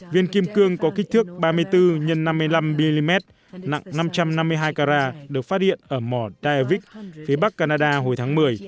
viên kim cương có kích thước ba mươi bốn x năm mươi năm mm nặng năm trăm năm mươi hai cara được phát hiện ở mỏ daivic phía bắc canada hồi tháng một mươi